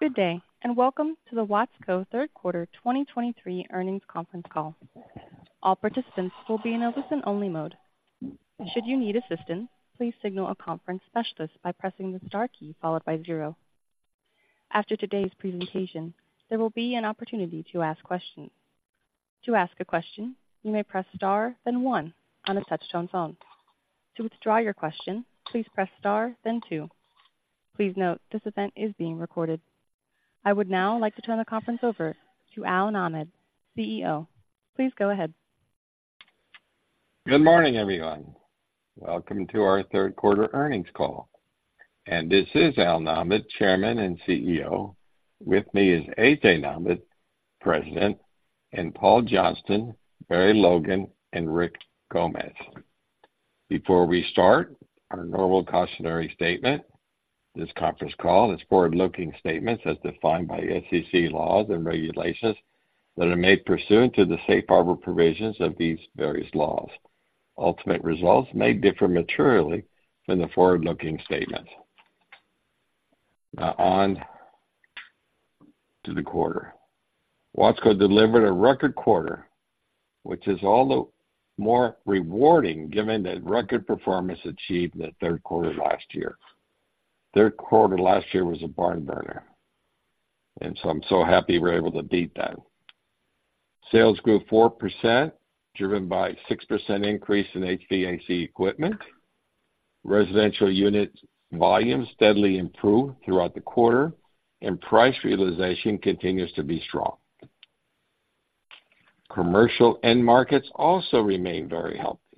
Good day, and welcome to the Watsco third quarter 2023 earnings conference call. All participants will be in a listen-only mode. Should you need assistance, please signal a conference specialist by pressing the star key followed by zero. After today's presentation, there will be an opportunity to ask questions. To ask a question, you may press star, then one on a touch-tone phone. To withdraw your question, please press star then two. Please note, this event is being recorded. I would now like to turn the conference over to Al Nahmad, CEO. Please go ahead. Good morning, everyone. Welcome to our third quarter earnings call, and this is Al Nahmad, Chairman and CEO. With me is A.J. Nahmad, President, and Paul Johnston, Barry Logan, and Rick Gomez. Before we start, our normal cautionary statement, this conference call is forward-looking statements as defined by SEC laws and regulations that are made pursuant to the safe harbor provisions of these various laws. Ultimate results may differ materially from the forward-looking statements. Now, on to the quarter. Watsco delivered a record quarter, which is all the more rewarding given that record performance achieved in the third quarter last year. Third quarter last year was a barn burner, and so I'm so happy we're able to beat that. Sales grew 4%, driven by 6% increase in HVAC equipment. Residential unit volumes steadily improved throughout the quarter, and price realization continues to be strong. Commercial end markets also remain very healthy.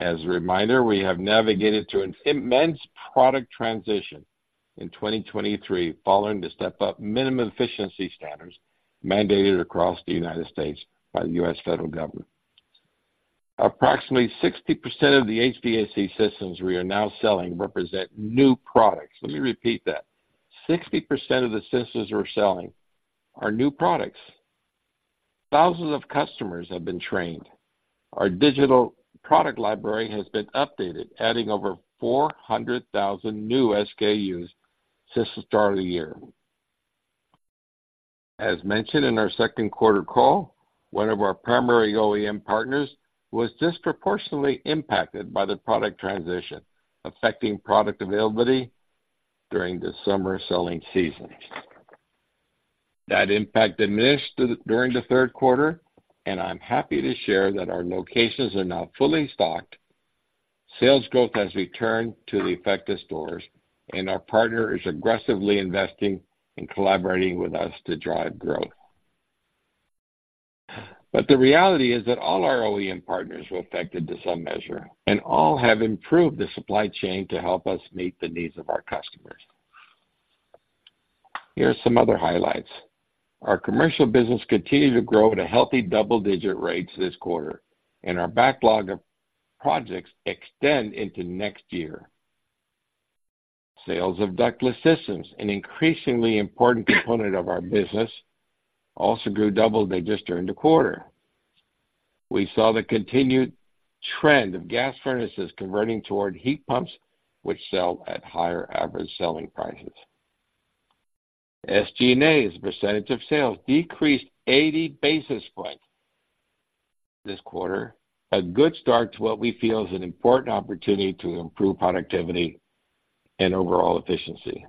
As a reminder, we have navigated through an immense product transition in 2023, following the step-up minimum efficiency standards mandated across the United States by the U.S. federal government. Approximately 60% of the HVAC systems we are now selling represent new products. Let me repeat that. 60% of the systems we're selling are new products. Thousands of customers have been trained. Our digital product library has been updated, adding over 400,000 new SKUs since the start of the year. As mentioned in our second quarter call, one of our primary OEM partners was disproportionately impacted by the product transition, affecting product availability during the summer selling season. That impact diminished during the third quarter, and I'm happy to share that our locations are now fully stocked. Sales growth has returned to the affected stores, and our partner is aggressively investing and collaborating with us to drive growth. But the reality is that all our OEM partners were affected to some measure, and all have improved the supply chain to help us meet the needs of our customers. Here are some other highlights: Our commercial business continued to grow at a healthy double-digit rates this quarter, and our backlog of projects extend into next year. Sales of ductless systems, an increasingly important component of our business, also grew double-digit during the quarter. We saw the continued trend of gas furnaces converting toward heat pumps, which sell at higher average selling prices. SG&A, as a percentage of sales, decreased 80 basis points this quarter. A good start to what we feel is an important opportunity to improve productivity and overall efficiency.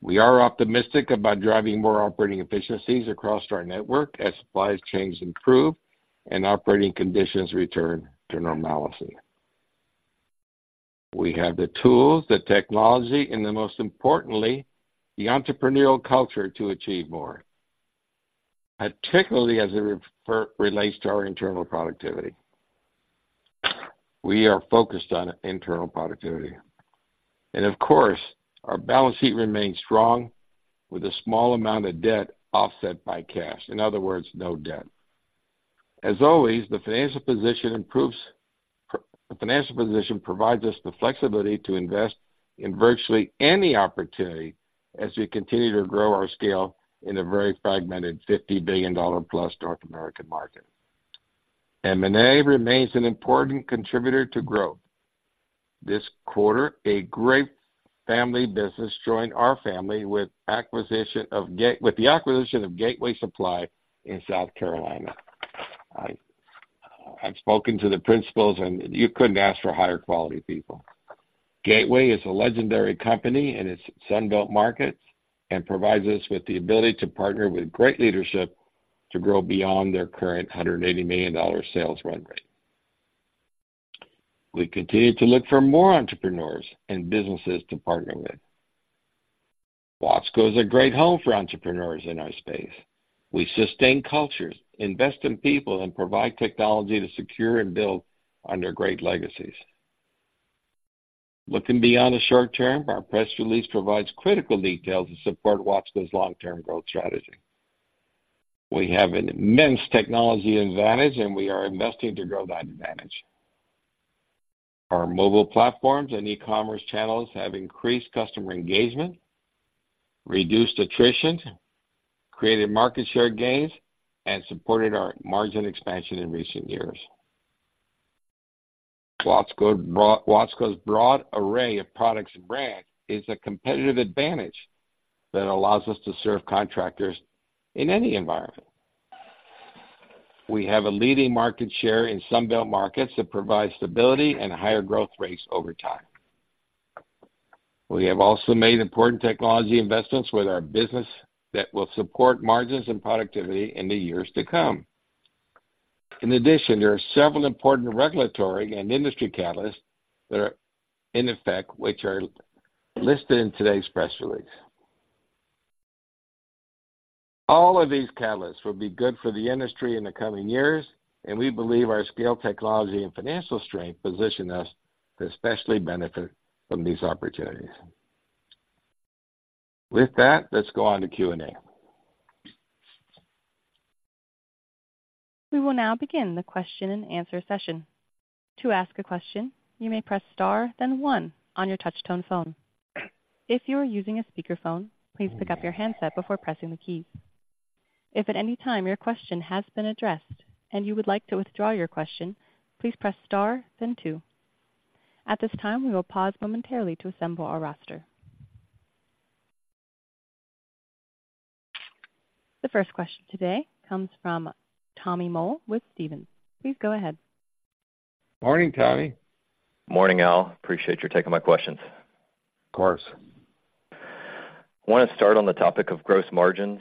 We are optimistic about driving more operating efficiencies across our network as supply chains improve and operating conditions return to normalcy. We have the tools, the technology, and most importantly, the entrepreneurial culture to achieve more, particularly as it relates to our internal productivity. We are focused on internal productivity. Of course, our balance sheet remains strong, with a small amount of debt offset by cash. In other words, no debt. As always, the financial position improves. The financial position provides us the flexibility to invest in virtually any opportunity as we continue to grow our scale in a very fragmented $50 billion+ North American market. M&A remains an important contributor to growth. This quarter, a great family business joined our family with the acquisition of Gateway Supply in South Carolina. I, I've spoken to the principals, and you couldn't ask for higher quality people. Gateway is a legendary company in its Sun Belt markets and provides us with the ability to partner with great leadership to grow beyond their current $180 million sales run rate. We continue to look for more entrepreneurs and businesses to partner with. Watsco is a great home for entrepreneurs in our space. We sustain cultures, invest in people, and provide technology to secure and build on their great legacies. Looking beyond the short term, our press release provides critical details to support Watsco's long-term growth strategy. We have an immense technology advantage, and we are investing to grow that advantage. Our mobile platforms and e-commerce channels have increased customer engagement, reduced attrition, created market share gains, and supported our margin expansion in recent years. Watsco's broad array of products and brand is a competitive advantage that allows us to serve contractors in any environment. We have a leading market share in Sun Belt markets that provide stability and higher growth rates over time. We have also made important technology investments with our business that will support margins and productivity in the years to come. In addition, there are several important regulatory and industry catalysts that are in effect, which are listed in today's press release. All of these catalysts will be good for the industry in the coming years, and we believe our scale, technology, and financial strength position us to especially benefit from these opportunities. With that, let's go on to Q&A. We will now begin the question and answer session. To ask a question, you may press star then one on your touch-tone phone. If you are using a speakerphone, please pick up your handset before pressing the keys. If at any time your question has been addressed and you would like to withdraw your question, please press star then two. At this time, we will pause momentarily to assemble our roster. The first question today comes from Tommy Moll with Stephens. Please go ahead. Morning, Tommy. Morning, Al. Appreciate you taking my questions. Of course. I wanna start on the topic of gross margins.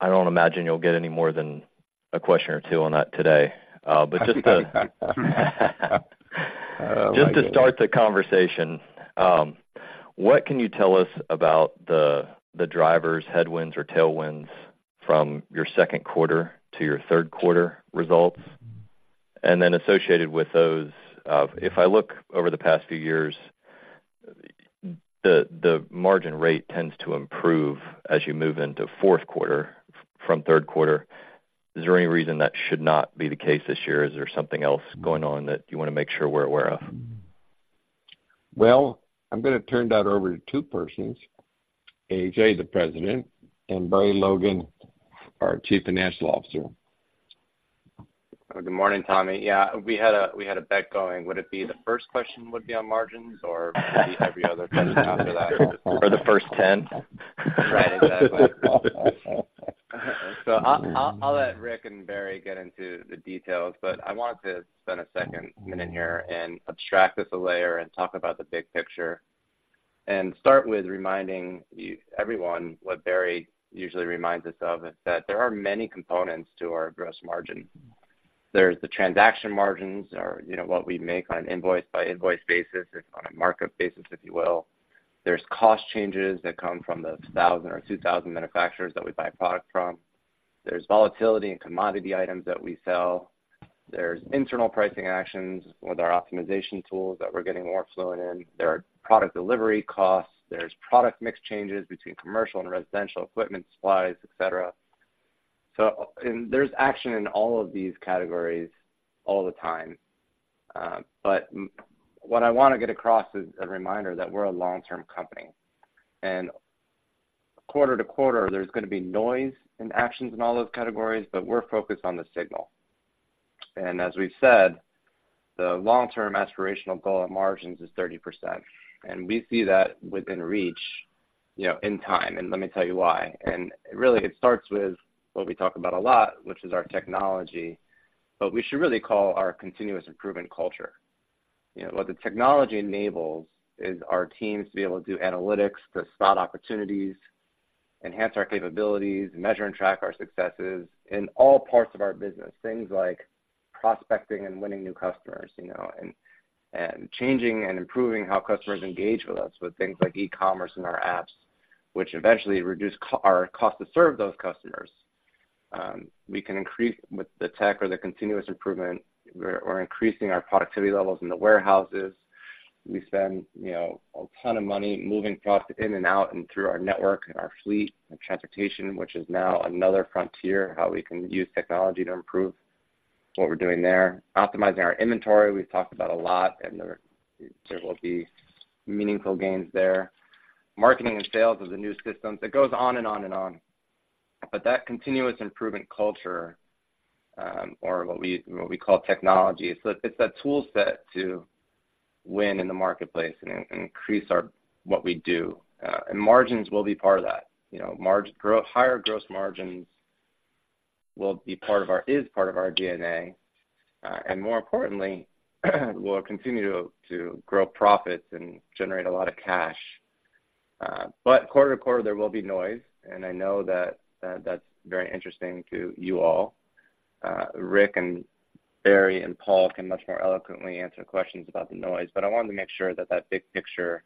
I don't imagine you'll get any more than a question or two on that today. But just to, just to start the conversation, what can you tell us about the, the drivers, headwinds, or tailwinds from your second quarter to your third quarter results? And then associated with those, if I look over the past few years, the, the margin rate tends to improve as you move into fourth quarter from third quarter. Is there any reason that should not be the case this year? Is there something else going on that you wanna make sure we're aware of? Well, I'm gonna turn that over to two persons, A.J., the President, and Barry Logan, our Chief Financial Officer. Good morning, Tommy. Yeah, we had a, we had a bet going. Would it be the first question would be on margins, or would it be every other question after that? Or the first 10? Right, exactly. So I'll let Rick and Barry get into the details, but I want to spend a second, minute here and abstract this a layer and talk about the big picture, and start with reminding you, everyone, what Barry usually reminds us of, is that there are many components to our gross margin. There's the transaction margins or, you know, what we make on an invoice-by-invoice basis or on a markup basis, if you will. There's cost changes that come from the 1,000 or 2,000 manufacturers that we buy product from. There's volatility in commodity items that we sell. There's internal pricing actions with our optimization tools that we're getting more fluent in. There are product delivery costs. There's product mix changes between commercial and residential equipment, supplies, et cetera. So, and there's action in all of these categories all the time. But what I wanna get across is a reminder that we're a long-term company, and quarter to quarter, there's gonna be noise and actions in all those categories, but we're focused on the signal. And as we've said, the long-term aspirational goal of margins is 30%, and we see that within reach, you know, in time, and let me tell you why. And really, it starts with what we talk about a lot, which is our technology, but we should really call our continuous improvement culture. You know, what the technology enables is our teams to be able to do analytics to spot opportunities, enhance our capabilities, measure and track our successes in all parts of our business. Things like prospecting and winning new customers, you know, and changing and improving how customers engage with us, with things like e-commerce and our apps, which eventually reduce our cost to serve those customers. We can increase with the tech or the continuous improvement, we're increasing our productivity levels in the warehouses. We spend, you know, a ton of money moving product in and out and through our network, and our fleet, and transportation, which is now another frontier, how we can use technology to improve what we're doing there. Optimizing our inventory, we've talked about a lot, and there will be meaningful gains there. Marketing and sales of the new systems, it goes on and on and on. But that continuous improvement culture, or what we, what we call technology, so it's that tool set to win in the marketplace and, and increase our, what we do, and margins will be part of that. You know, higher gross margins will be part of our DNA, and more importantly, we'll continue to grow profits and generate a lot of cash. But quarter to quarter, there will be noise, and I know that's very interesting to you all. Rick and Barry, and Paul can much more eloquently answer questions about the noise, but I wanted to make sure that big picture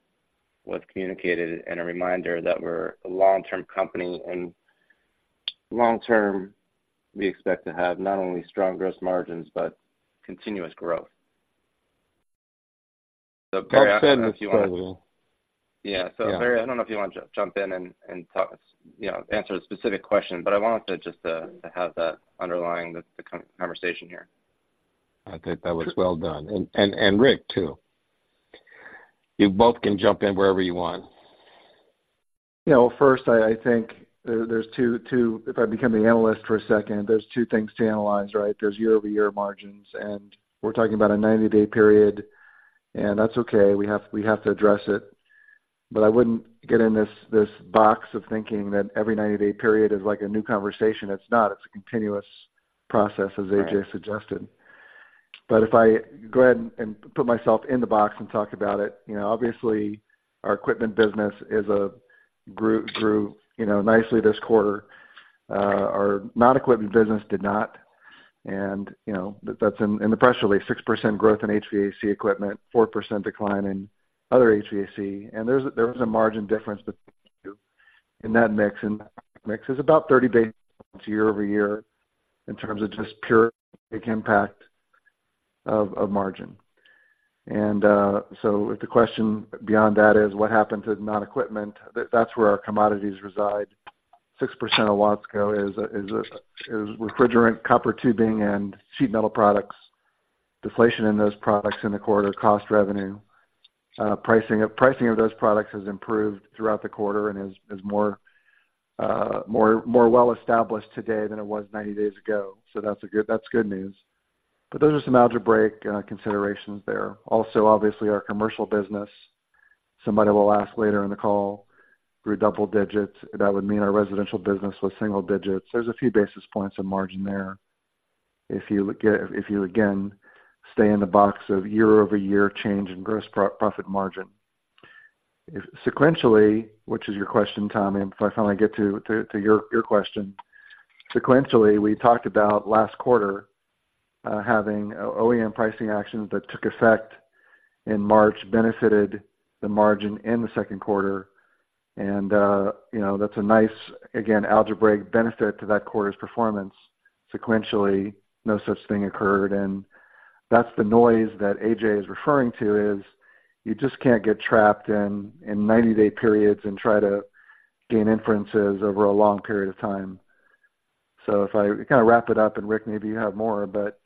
was communicated and a reminder that we're a long-term company, and long term, we expect to have not only strong gross margins, but continuous growth. So Barry, I don't know if you want to. Well said, as usual. Yeah. Yeah. Barry, I don't know if you want to jump in and talk, you know, answer a specific question, but I wanted just to have that underlying the conversation here. I think that was well done. And Rick, too. You both can jump in wherever you want. You know, first, I think there's two things to analyze, right? There's year-over-year margins, and we're talking about a 90-day period, and that's okay. We have to address it. But I wouldn't get in this box of thinking that every 90-day period is like a new conversation. It's not. It's a continuous process, as A.J. suggested. But if I go ahead and put myself in the box and talk about it, you know, obviously, our equipment business grew nicely this quarter. Our non-equipment business did not, and, you know, that's in the press release, 6% growth in HVAC equipment, 4% decline in other HVAC. There's a margin difference between the two in that mix, and mix is about 30 basis points year-over-year in terms of just pure impact of margin. So if the question beyond that is what happened to non-equipment, that's where our commodities reside. 6% of Watsco is refrigerant, copper tubing, and sheet metal products. Deflation in those products in the quarter cost revenue. Pricing of those products has improved throughout the quarter and is more well established today than it was 90 days ago. So that's good news. But those are some algebraic considerations there. Also, obviously, our commercial business, somebody will ask later in the call, we're double digits. That would mean our residential business was single digits. There's a few basis points of margin there if you look at, if you, again, stay in the box of year-over-year change in gross profit margin. If sequentially, which is your question, Tommy, if I finally get to your question. Sequentially, we talked about last quarter having OEM pricing actions that took effect in March, benefited the margin in the second quarter. And you know, that's a nice, again, algebraic benefit to that quarter's performance. Sequentially, no such thing occurred, and that's the noise that A.J. is referring to, is you just can't get trapped in 90-day periods and try to gain inferences over a long period of time. So if I kind of wrap it up, and Rick, maybe you have more, but,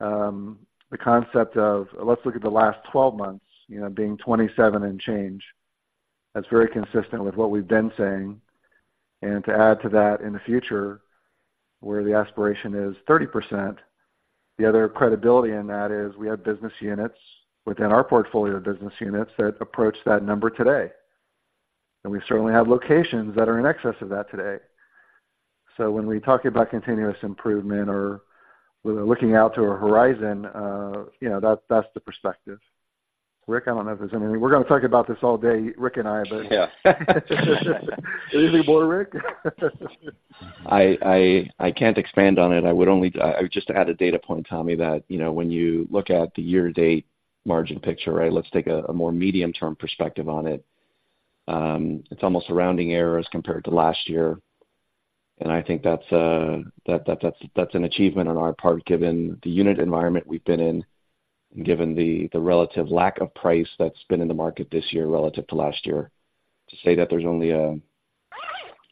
the concept of let's look at the last 12 months, you know, being 27 and change, that's very consistent with what we've been saying. And to add to that, in the future, where the aspiration is 30%, the other credibility in that is we have business units within our portfolio of business units that approach that number today. And we certainly have locations that are in excess of that today. So when we talk about continuous improvement or we're looking out to a horizon, you know, that's, that's the perspective. Rick, I don't know if there's anything. We're gonna talk about this all day, Rick and I, but. Yeah. Are you bored, Rick? I can't expand on it. I would just add a data point, Tommy, that, you know, when you look at the year-to-date margin picture, right, let's take a more medium-term perspective on it. It's almost rounding errors compared to last year, and I think that's an achievement on our part, given the unit environment we've been in and given the relative lack of price that's been in the market this year relative to last year. To say that there's only a,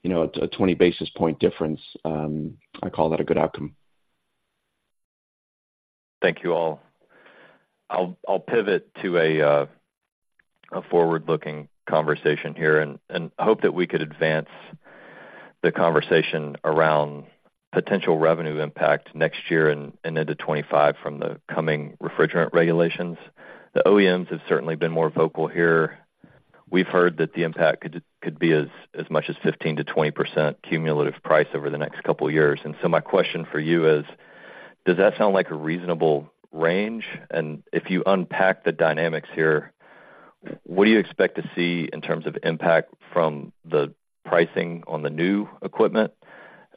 you know, a 20 basis point difference, I call that a good outcome. Thank you all. I'll pivot to a forward-looking conversation here and hope that we could advance the conversation around potential revenue impact next year and into 2025 from the coming refrigerant regulations. The OEMs have certainly been more vocal here. We've heard that the impact could be as much as 15%-20% cumulative price over the next couple of years. And so my question for you is: does that sound like a reasonable range? And if you unpack the dynamics here, what do you expect to see in terms of impact from the pricing on the new equipment?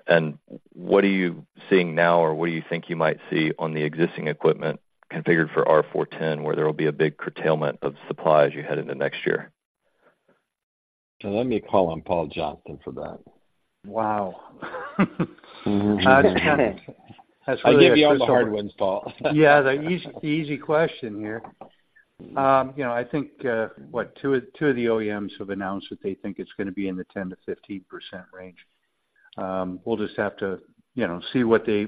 And what are you seeing now, or what do you think you might see on the existing equipment configured for R-410A, where there will be a big curtailment of supply as you head into next year? So let me call on Paul Johnston for that. Wow. I give you all the hard ones, Paul. Yeah, the easy, easy question here. You know, I think, what? Two of the OEMs have announced that they think it's gonna be in the 10%-15% range. We'll just have to, you know, see what they,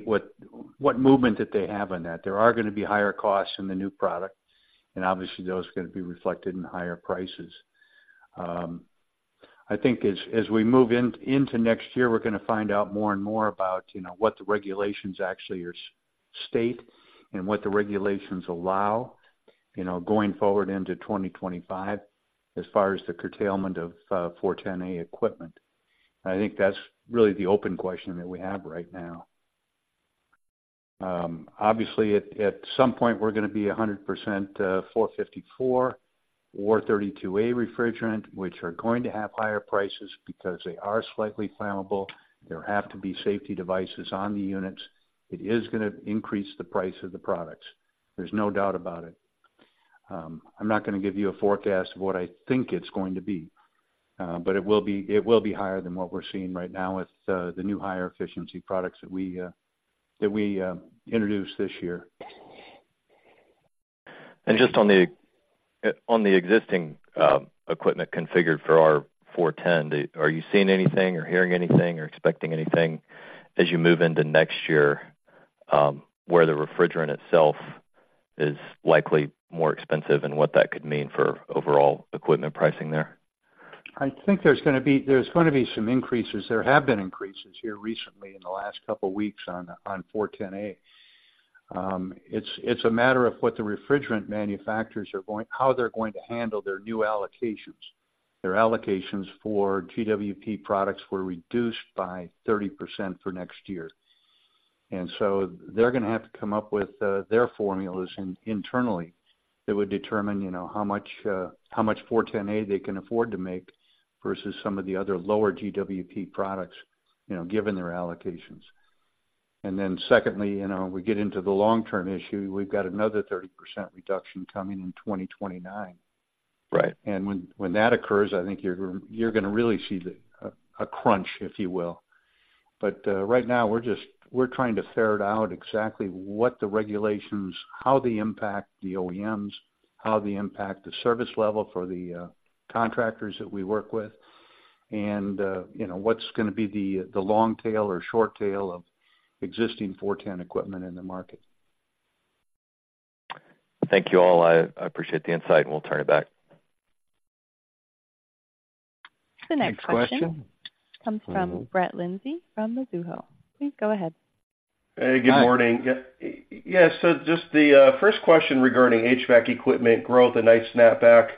what movement that they have on that. There are gonna be higher costs in the new product, and obviously, those are gonna be reflected in higher prices. I think as we move into next year, we're gonna find out more and more about, you know, what the regulations actually are state, and what the regulations allow, you know, going forward into 2025, as far as the curtailment of 410A equipment. I think that's really the open question that we have right now. Obviously, at some point, we're gonna be 100% 454 or 32A refrigerant, which are going to have higher prices because they are slightly flammable. There have to be safety devices on the units. It is gonna increase the price of the products. There's no doubt about it. I'm not gonna give you a forecast of what I think it's going to be, but it will be higher than what we're seeing right now with the new higher efficiency products that we introduced this year. Just on the existing equipment configured for R-410A, are you seeing anything or hearing anything or expecting anything as you move into next year, where the refrigerant itself is likely more expensive and what that could mean for overall equipment pricing there? I think there's gonna be some increases. There have been increases here recently in the last couple of weeks on R-410A. It's a matter of what the refrigerant manufacturers are going to handle their new allocations. Their allocations for GWP products were reduced by 30% for next year. And so they're gonna have to come up with their formulas internally that would determine, you know, how much 410A they can afford to make versus some of the other lower GWP products, you know, given their allocations. And then secondly, you know, we get into the long-term issue. We've got another 30% reduction coming in 2029. Right. When that occurs, I think you're gonna really see a crunch, if you will. But right now, we're just trying to ferret out exactly what the regulations, how they impact the OEMs, how they impact the service level for the contractors that we work with, and you know, what's gonna be the long tail or short tail of existing 410 equipment in the market. Thank you, all. I appreciate the insight, and we'll turn it back. The next question. Next question? Comes from Brett Linzey, from Mizuho. Please go ahead. Hey, good morning. Yeah, yes, so just the first question regarding HVAC equipment growth, a nice snapback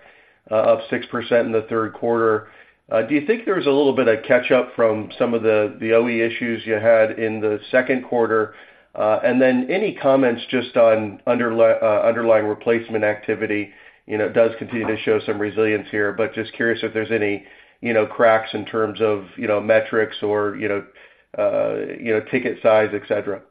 of 6% in the third quarter. Do you think there's a little bit of catch-up from some of the OEM issues you had in the second quarter? And then any comments just on underlying replacement activity, you know, it does continue to show some resilience here, but just curious if there's any, you know, cracks in terms of, you know, ticket size, et cetera.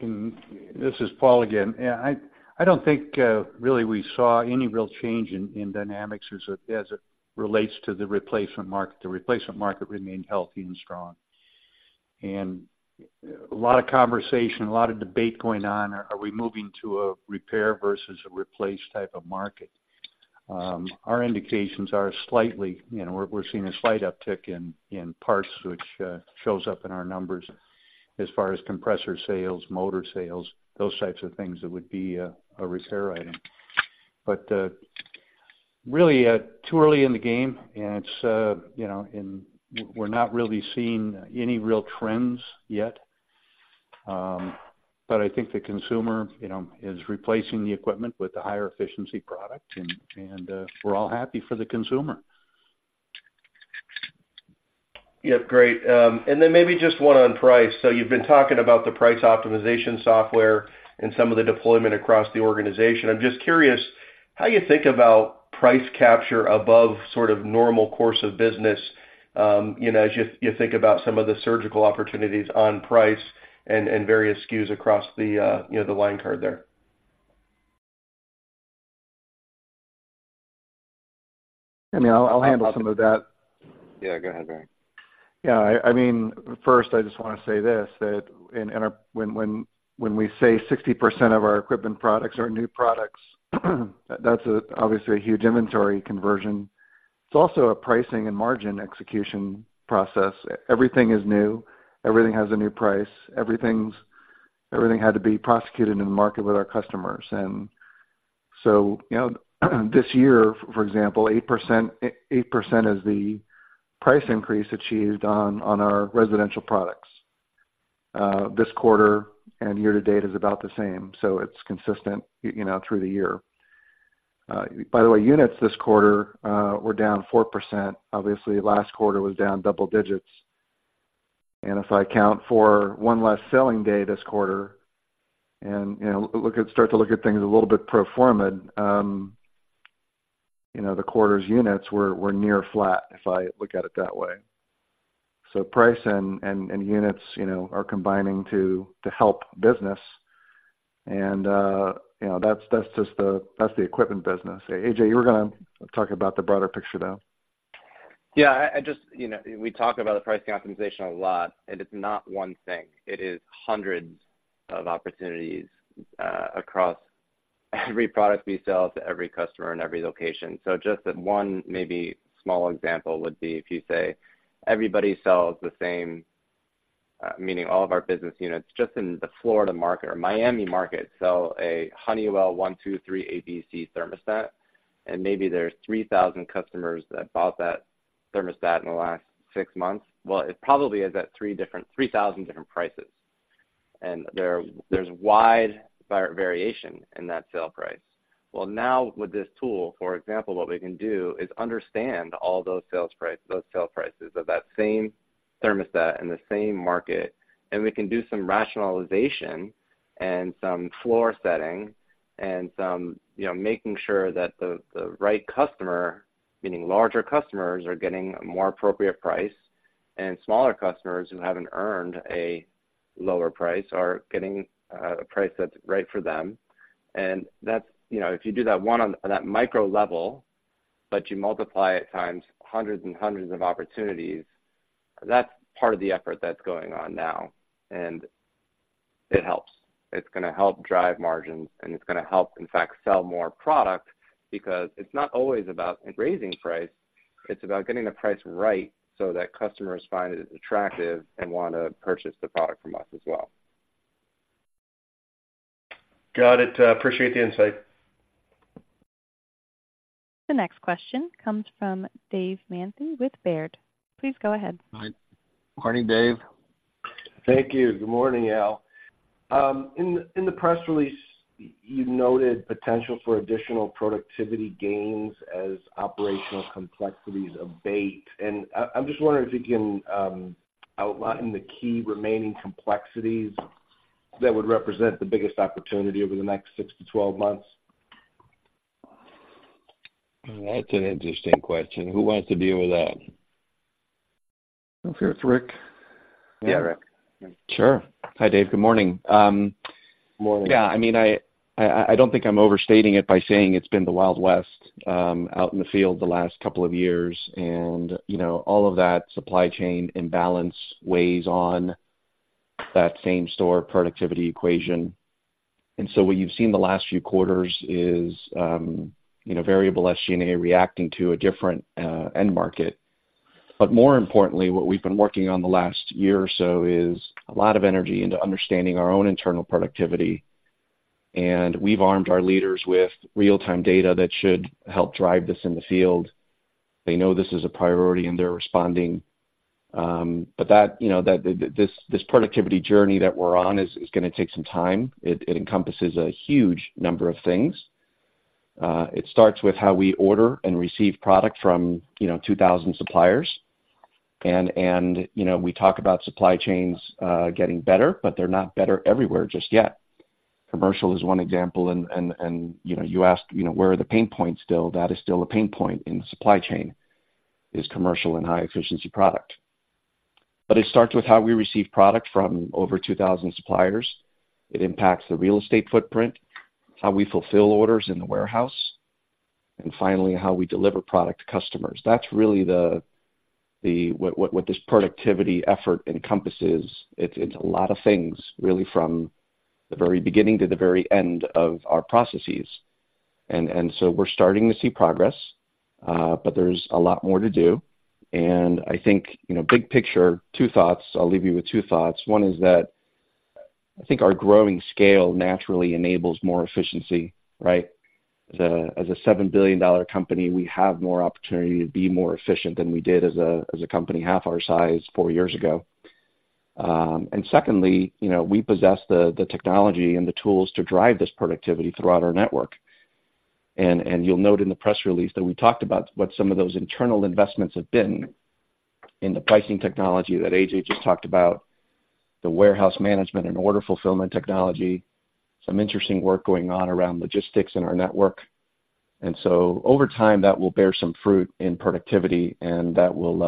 This is Paul again. Yeah, I don't think really we saw any real change in dynamics as it relates to the replacement market. The replacement market remained healthy and strong. A lot of conversation, a lot of debate going on. Are we moving to a repair versus a replace type of market? Our indications are slightly, you know, we're seeing a slight uptick in parts, which shows up in our numbers as far as compressor sales, motor sales, those types of things that would be a repair item. Really, too early in the game, and it's, you know, and we're not really seeing any real trends yet. But I think the consumer, you know, is replacing the equipment with a higher efficiency product, and, and, we're all happy for the consumer. Yep, great. And then maybe just one on price. So you've been talking about the price optimization software and some of the deployment across the organization. I'm just curious how you think about price capture above sort of normal course of business, you know, as you think about some of the surgical opportunities on price and various SKUs across the, you know, the line card there. I mean, I'll handle some of that. Yeah, go ahead, Barry. Yeah, I mean, first, I just wanna say this, that in our, when we say 60% of our equipment products are new products, that's obviously a huge inventory conversion. It's also a pricing and margin execution process. Everything is new. Everything has a new price. Everything had to be prosecuted in the market with our customers. And so, you know, this year, for example, 8% is the price increase achieved on our residential products. This quarter and year-to-date is about the same, so it's consistent, you know, through the year. By the way, units this quarter were down 4%. Obviously, last quarter was down double digits. And if I account for one less selling day this quarter and, you know, look at, start to look at things a little bit pro forma, you know, the quarter's units were near flat, if I look at it that way. So price and units, you know, are combining to help business. And, you know, that's just the equipment business. A.J., you were gonna talk about the broader picture, though. Yeah, I, I just, you know, we talk about the pricing optimization a lot, and it's not one thing. It is hundreds of opportunities across every product we sell to every customer in every location. So just that one maybe small example would be if you say, everybody sells the same, meaning all of our business units, just in the Florida market or Miami market, sell a Honeywell 1, 2, 3, A,B,C thermostat, and maybe there's 3,000 customers that bought that thermostat in the last six months. Well, it probably is at three different, 3,000 different prices, and there's wide variation in that sale price. Well, now with this tool, for example, what we can do is understand all those sales price, those sale prices of that same thermostat in the same market, and we can do some rationalization and some floor setting and some, you know, making sure that the, the right customer, meaning larger customers, are getting a more appropriate price, and smaller customers who haven't earned a lower price, are getting a price that's right for them. And that's, you know, if you do that one on that micro level, but you multiply it times hundreds and hundreds of opportunities, that's part of the effort that's going on now, and it helps. It's gonna help drive margins, and it's gonna help, in fact, sell more product, because it's not always about raising price. It's about getting the price right so that customers find it attractive and want to purchase the product from us as well. Got it. Appreciate the insight. The next question comes from Dave Manthey with Baird. Please go ahead. Hi. Morning, Dave. Thank you. Good morning, Al. In the press release, you noted potential for additional productivity gains as operational complexities abate, and I'm just wondering if you can outline the key remaining complexities that would represent the biggest opportunity over the next six to 12 months? That's an interesting question. Who wants to deal with that? It's Rick. Yeah, Rick. Sure. Hi, Dave. Good morning. Morning. Yeah, I mean, I don't think I'm overstating it by saying it's been the Wild West out in the field the last couple of years, and, you know, all of that supply chain imbalance weighs on that same store productivity equation. And so what you've seen the last few quarters is, you know, variable SG&A reacting to a different end market. But more importantly, what we've been working on the last year or so is a lot of energy into understanding our own internal productivity, and we've armed our leaders with real-time data that should help drive this in the field. They know this is a priority, and they're responding. But that, you know, this productivity journey that we're on is gonna take some time. It encompasses a huge number of things. It starts with how we order and receive product from, you know, 2,000 suppliers. And you know, we talk about supply chains getting better, but they're not better everywhere just yet. Commercial is one example, and you know, you asked you know, where are the pain points still? That is still a pain point in the supply chain, is commercial and high-efficiency product. But it starts with how we receive product from over 2,000 suppliers. It impacts the real estate footprint, how we fulfill orders in the warehouse, and finally, how we deliver product to customers. That's really the, what this productivity effort encompasses. It's a lot of things really, from the very beginning to the very end of our processes. And so we're starting to see progress, but there's a lot more to do. I think, you know, big picture, two thoughts. I'll leave you with two thoughts. One is that I think our growing scale naturally enables more efficiency, right? As a $7 billion company, we have more opportunity to be more efficient than we did as a company half our size four years ago. And secondly, you know, we possess the technology and the tools to drive this productivity throughout our network. And you'll note in the press release that we talked about what some of those internal investments have been in the pricing technology that A.J. just talked about, the warehouse management and order fulfillment technology, some interesting work going on around logistics and our network. And so over time, that will bear some fruit in productivity, and that will,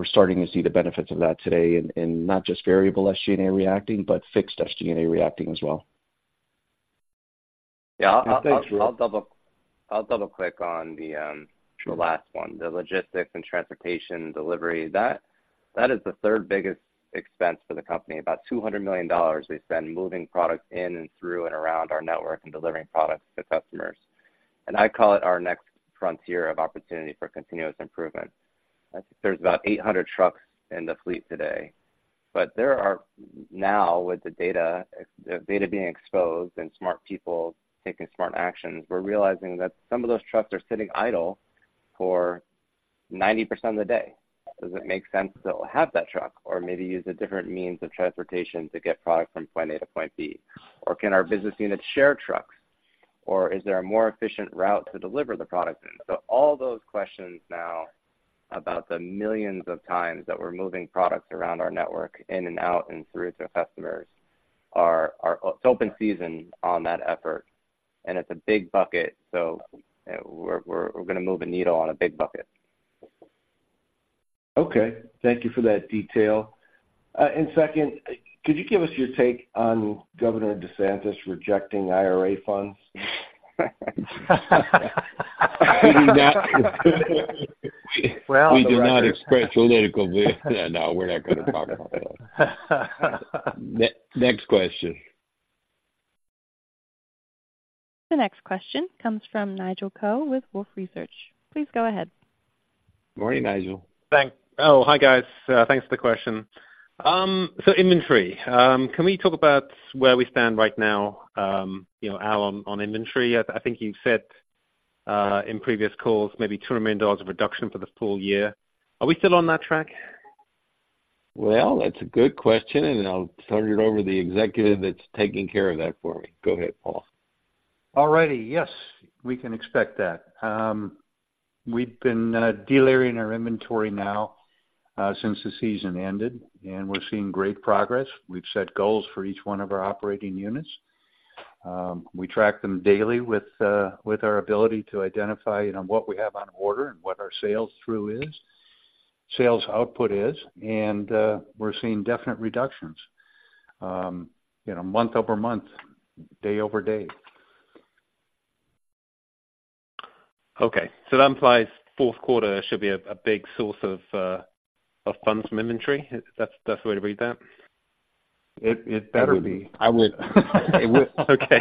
we're starting to see the benefits of that today in, in not just variable SG&A reacting, but fixed SG&A reacting as well. Yeah. Thanks, Rick. I'll double-click on the. Sure. The last one, the logistics and transportation delivery. That, that is the third biggest expense for the company. About $200 million we spend moving product in and through and around our network and delivering products to customers. And I call it our next frontier of opportunity for continuous improvement. I think there's about 800 trucks in the fleet today, but there are now, with the data, the data being exposed and smart people taking smart actions, we're realizing that some of those trucks are sitting idle for 90% of the day. Does it make sense to have that truck or maybe use a different means of transportation to get product from point A to point B? Or can our business units share trucks? Or is there a more efficient route to deliver the product in? So all those questions now about the millions of times that we're moving products around our network, in and out and through to customers are. It's open season on that effort, and it's a big bucket, so we're gonna move a needle on a big bucket. Okay. Thank you for that detail. Second, could you give us your take on Governor DeSantis rejecting IRA funds? We do not. Well. We do not express politically. Yeah, no, we're not going to talk about that. Next question. The next question comes from Nigel Coe with Wolfe Research. Please go ahead. Morning, Nigel. Thanks. Oh, hi, guys. Thanks for the question. So inventory, can we talk about where we stand right now, you know, Al, on inventory? I think you've said, in previous calls, maybe $200 million of reduction for the full year. Are we still on that track? Well, that's a good question, and I'll turn it over to the executive that's taking care of that for me. Go ahead, Paul. All righty. Yes, we can expect that. We've been de-layering our inventory now since the season ended, and we're seeing great progress. We've set goals for each one of our operating units. We track them daily with our ability to identify, you know, what we have on order and what our sales through is, sales output is, and we're seeing definite reductions, you know, month-over-month, day-over-day. Okay, so that implies fourth quarter should be a big source of funds from inventory. That's the way to read that? It better be. Okay,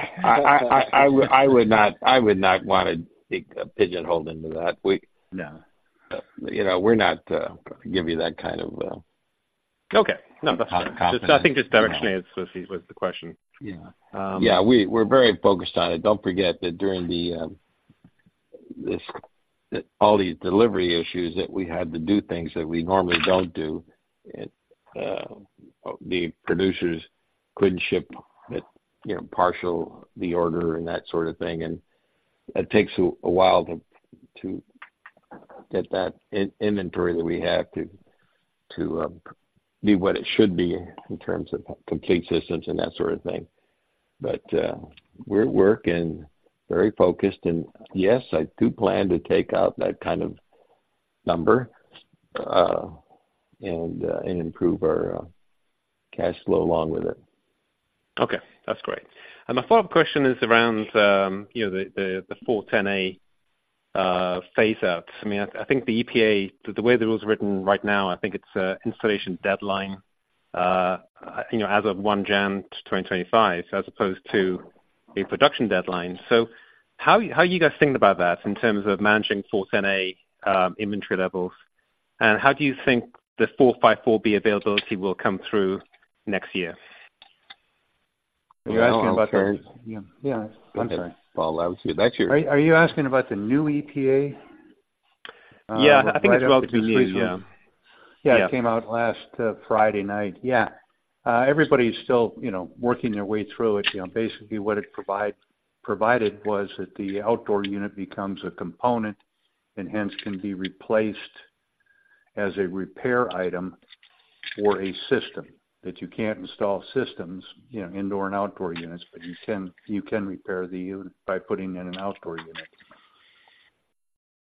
I would not wanna be pigeonholed into that. We. No. You know, we're not, give you that kind of. Okay. No, that's fine. Confidence. I think just directionally was the question. Yeah. Yeah, we're very focused on it. Don't forget that during the, this, all these delivery issues, that we had to do things that we normally don't do. The producers couldn't ship it, you know, partial the order and that sort of thing, and that takes a while to get that inventory that we have to be what it should be in terms of complete systems and that sort of thing. But, we're working, very focused, and yes, I do plan to take out that kind of number, and improve our cash flow along with it. Okay. That's great. And my follow-up question is around, you know, the R-410A phaseout. I mean, I think the EPA, the way the rule is written right now, I think it's an installation deadline, you know, as of January 1, 2025, as opposed to a production deadline. So how are you guys thinking about that in terms of managing R-410A inventory levels? And how do you think the R-454B availability will come through next year? Are you asking about the? Yeah. Yeah. I'm sorry, Paul. That's your. Are you asking about the new EPA? Yeah, I think it's about the new, yeah. Yeah, it came out last Friday night. Yeah. Everybody's still, you know, working their way through it. You know, basically, what it provide, provided was that the outdoor unit becomes a component, and hence, can be replaced as a repair item or a system, that you can't install systems, you know, indoor and outdoor units, but you can, you can repair the unit by putting in an outdoor unit.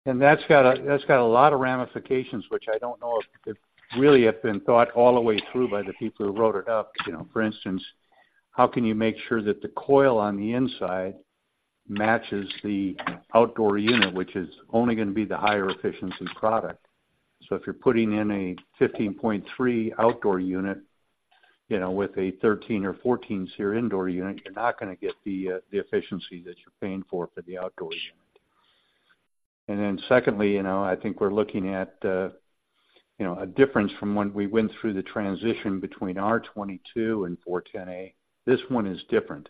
And that's got a, that's got a lot of ramifications, which I don't know if it really have been thought all the way through by the people who wrote it up. You know, for instance, how can you make sure that the coil on the inside matches the outdoor unit, which is only gonna be the higher efficiency product? So if you're putting in a 15.3 outdoor unit, you know, with a 13 or 14 SEER indoor unit, you're not gonna get the, the efficiency that you're paying for, for the outdoor unit. And then secondly, you know, I think we're looking at, you know, a difference from when we went through the transition between R-22 and 410A. This one is different.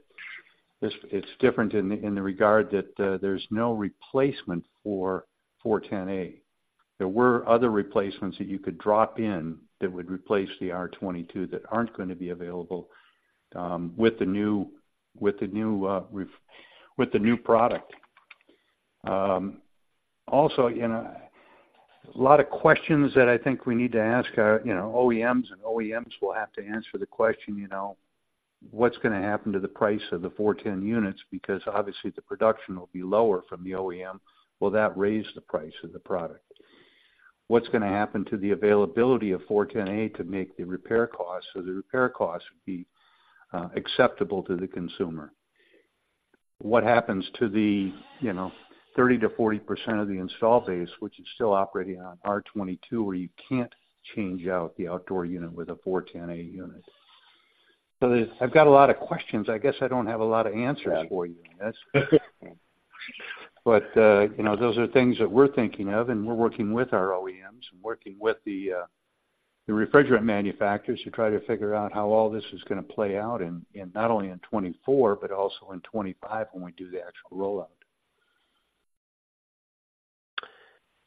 This. It's different in the regard that, there's no replacement for R-410A. There were other replacements that you could drop in that would replace the R-22 that aren't gonna be available with the new product. Also, you know, a lot of questions that I think we need to ask our, you know, OEMs, and OEMs will have to answer the question, you know, what's gonna happen to the price of the 410 units? Because obviously the production will be lower from the OEM. Will that raise the price of the product? What's gonna happen to the availability of 410A to make the repair costs, so the repair costs will be, acceptable to the consumer? What happens to the, you know, 30%-40% of the installed base, which is still operating on R-22, where you can't change out the outdoor unit with a 410A unit? So there's, I've got a lot of questions. I guess I don't have a lot of answers for you. Yeah. But, you know, those are things that we're thinking of, and we're working with our OEMs and working with the, the refrigerant manufacturers to try to figure out how all this is gonna play out in not only 2024, but also in 2025, when we do the actual rollout.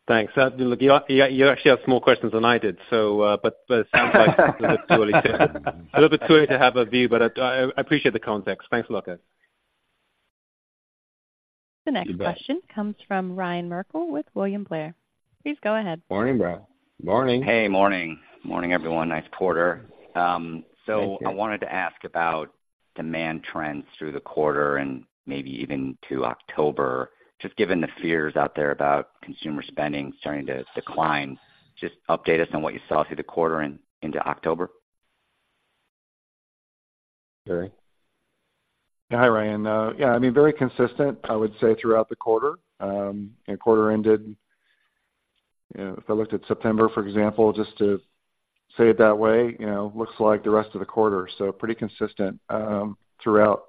Thanks. Look, you actually have more questions than I did, but sounds like a little bit too early to have a view, but I appreciate the context. Thanks a lot, guys. The next question comes from Ryan Merkel with William Blair. Please go ahead. Morning, Ryan. Morning. Hey, morning. Morning, everyone. Nice quarter. So. Thanks. I wanted to ask about demand trends through the quarter and maybe even to October. Just given the fears out there about consumer spending starting to decline, just update us on what you saw through the quarter and into October. Barry? Hi, Ryan. Yeah, I mean, very consistent, I would say, throughout the quarter. And quarter ended. If I looked at September, for example, just to say it that way, you know, looks like the rest of the quarter, so pretty consistent, throughout.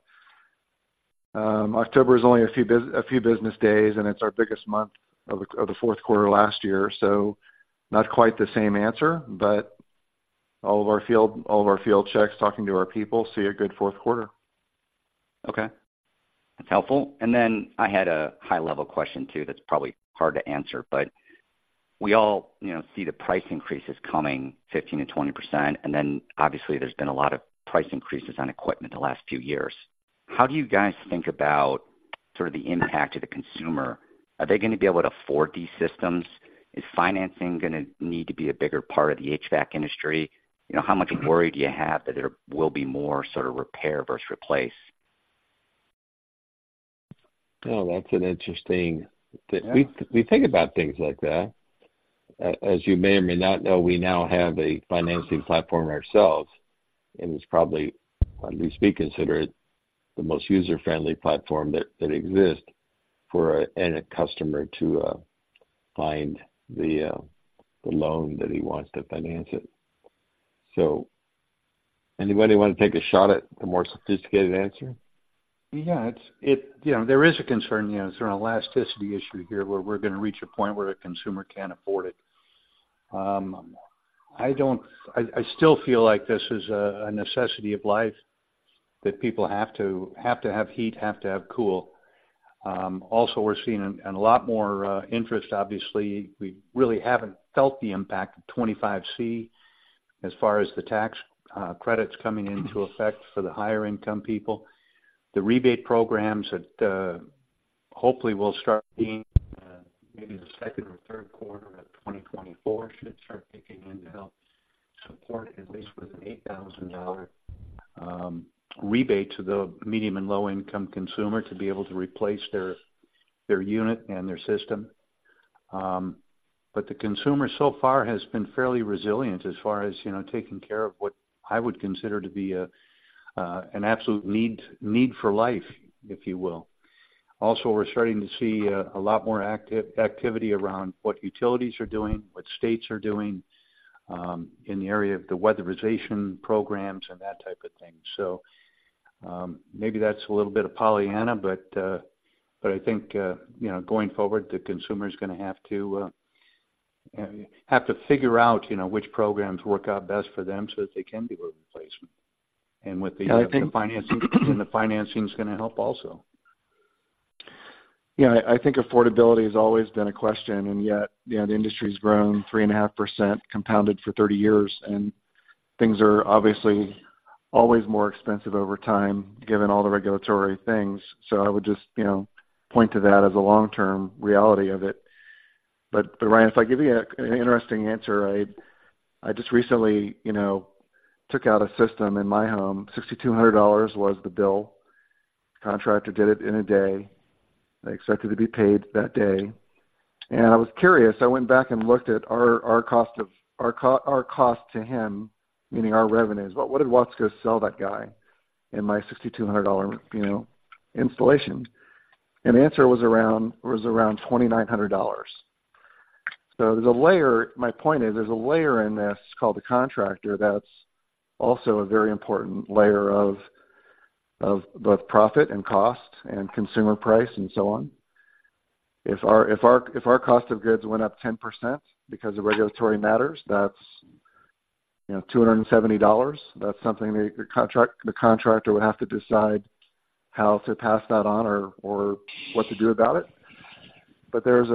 October is only a few business days, and it's our biggest month of the fourth quarter last year, so not quite the same answer, but all of our field checks, talking to our people, see a good fourth quarter. Okay. That's helpful. And then I had a high-level question, too, that's probably hard to answer, but we all, you know, see the price increases coming 15%-20%, and then obviously there's been a lot of price increases on equipment the last few years. How do you guys think about sort of the impact to the consumer? Are they gonna be able to afford these systems? Is financing gonna need to be a bigger part of the HVAC industry? You know, how much worry do you have that there will be more sort of repair versus replace? Well, that's an interesting, we think about things like that. As you may or may not know, we now have a financing platform ourselves, and it's probably, when we speak, consider it the most user-friendly platform that exists for a customer to find the loan that he wants to finance it. So anybody want to take a shot at the more sophisticated answer? Yeah, it's you know, there is a concern, you know, there's an elasticity issue here, where we're going to reach a point where the consumer can't afford it. I don't, I still feel like this is a necessity of life, that people have to have heat, have to have cool. Also, we're seeing a lot more interest. Obviously, we really haven't felt the impact of 25C as far as the tax credits coming into effect for the higher income people. The rebate programs that hopefully will start being maybe the second or third quarter of 2024 should start kicking in to help support, at least with an $8,000 rebate to the medium and low income consumer to be able to replace their unit and their system. But the consumer so far has been fairly resilient as far as, you know, taking care of what I would consider to be an absolute need for life, if you will. Also, we're starting to see a lot more activity around what utilities are doing, what states are doing, in the area of the weatherization programs and that type of thing. So, maybe that's a little bit of Pollyanna, but I think, you know, going forward, the consumer is gonna have to figure out, you know, which programs work out best for them so that they can do a replacement. And with the. Yeah, I think. Financing, and the financing is gonna help also. Yeah, I think affordability has always been a question, and yet, you know, the industry's grown 3.5%, compounded for 30 years, and things are obviously always more expensive over time, given all the regulatory things. So I would just, you know, point to that as a long-term reality of it. But Ryan, if I give you a, an interesting answer, I just recently, you know, took out a system in my home. $6,200 was the bill. Contractor did it in a day. Expected to be paid that day. And I was curious, I went back and looked at our cost to him, meaning our revenues. What did Watsco sell that guy in my $6,200, you know, installation? And the answer was around $2,900. So there's a layer. My point is, there's a layer in this, called the contractor, that's also a very important layer of both profit and cost and consumer price and so on. If our cost of goods went up 10% because of regulatory matters, that's, you know, $270. That's something the contractor would have to decide how to pass that on or what to do about it. But there's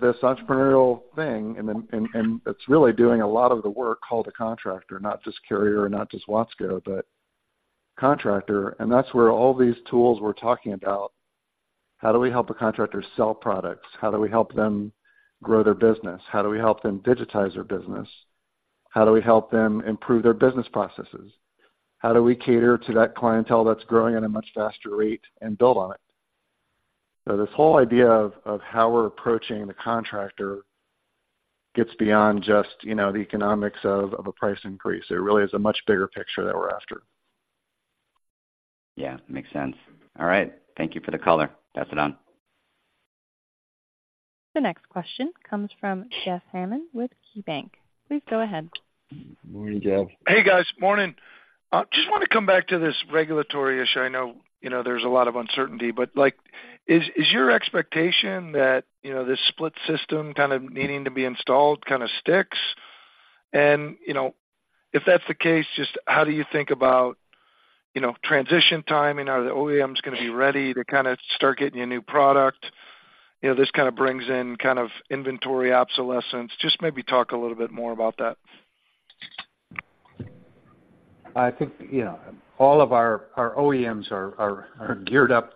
this entrepreneurial thing, and then it's really doing a lot of the work, called a contractor. Not just Carrier, not just Watsco, but contractor. And that's where all these tools we're talking about, how do we help the contractor sell products? How do we help them grow their business? How do we help them digitize their business? How do we help them improve their business processes? How do we cater to that clientele that's growing at a much faster rate and build on it? So this whole idea of, of how we're approaching the contractor gets beyond just, you know, the economics of, of a price increase. It really is a much bigger picture that we're after. Yeah, makes sense. All right. Thank you for the color. I'll pass it on. The next question comes from Jeff Hammond with KeyBanc. Please go ahead. Morning, Jeff. Hey, guys. Morning. Just want to come back to this regulatory issue. I know, you know, there's a lot of uncertainty, but, like, is your expectation that, you know, this split system kind of needing to be installed, kind of sticks? And, you know, if that's the case, just how do you think about, you know, transition timing? Are the OEMs gonna be ready to kind of start getting a new product? You know, this kind of brings in kind of inventory obsolescence. Just maybe talk a little bit more about that. I think, you know, all of our OEMs are geared up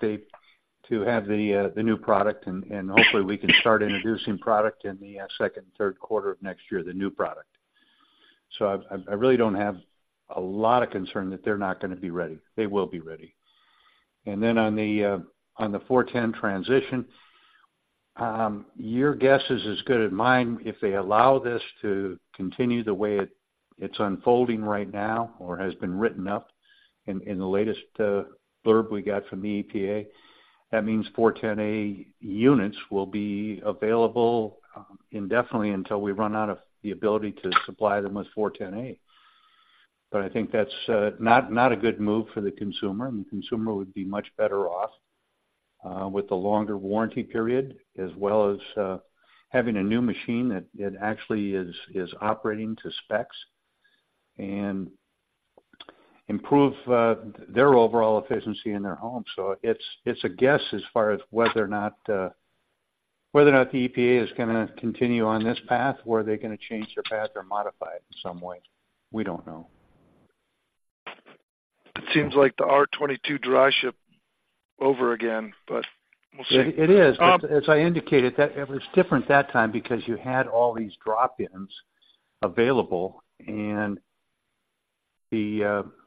to have the new product, and hopefully we can start introducing product in the second and third quarter of next year, the new product. So I really don't have a lot of concern that they're not gonna be ready. They will be ready. And then on the 410 transition, your guess is as good as mine. If they allow this to continue the way it's unfolding right now, or has been written up in the latest blurb we got from the EPA, that means 410A units will be available indefinitely until we run out of the ability to supply them with 410A. But I think that's not a good move for the consumer. The consumer would be much better off, with the longer warranty period, as well as, having a new machine that actually is operating to specs and improve their overall efficiency in their home. So it's a guess as far as whether or not the EPA is gonna continue on this path, or are they gonna change their path or modify it in some way? We don't know. It seems like the R-22 dry ship over again, but we'll see. It is. But as I indicated, that it was different that time because you had all these drop-ins available, and